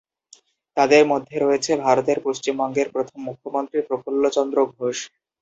তাদের মধ্যে রয়েছে ভারতের পশ্চিমবঙ্গের প্রথম মুখ্যমন্ত্রী প্রফুল্লচন্দ্র ঘোষ।